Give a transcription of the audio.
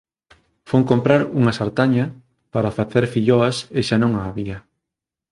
Fun comprar unha sartaña para facer filloas e xa non a había